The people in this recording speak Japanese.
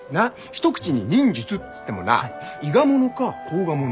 一口に忍術っつってもな伊賀者か甲賀者